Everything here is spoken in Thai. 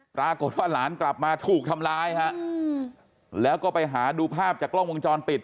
ปรากฏว่าหลานกลับมาถูกทำร้ายฮะแล้วก็ไปหาดูภาพจากกล้องวงจรปิด